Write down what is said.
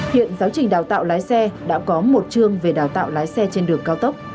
hiện giáo trình đào tạo lái xe đã có một chương về đào tạo lái xe trên đường cao tốc